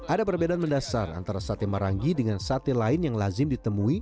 ada perbedaan mendasar antara sate marangi dengan sate lain yang lazim ditemui